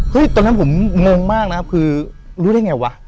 ตอนนั้นผมงงมากนะครับคือรู้ได้ไงวะ